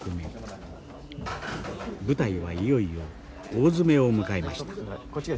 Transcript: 舞台はいよいよ大詰めを迎えました。